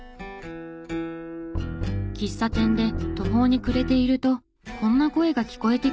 喫茶店で途方に暮れているとこんな声が聞こえてきたのです。